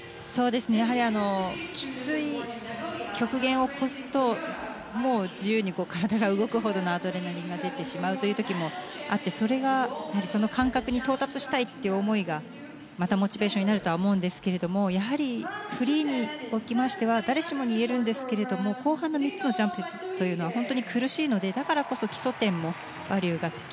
やはりきつい極限を超すともう自由に体が動くほどのアドレナリンが出てしまうという時もあってそれが、その感覚に到達したいという思いがまたモチベーションになるとは思うんですがやはり、フリーにおきましては誰しもに言えるんですが後半の３つのジャンプというのは本当に苦しいのでだからこそ基礎点もバリューがつき